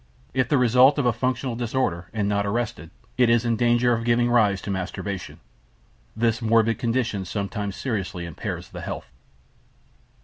If the result of a functional disorder, and not arrested, it is in danger of giving rise to masturbation. This morbid condition sometimes seriously impairs the health.